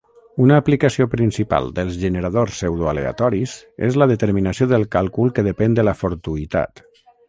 Una aplicació principal dels generadors pseudoaleatoris és la determinació del càlcul que depèn de la fortuïtat.